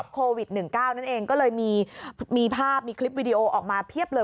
โควิด๑๙นั่นเองก็เลยมีภาพมีคลิปวิดีโอออกมาเพียบเลย